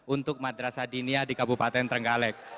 untuk madrasah dinia di kabupaten trenggalek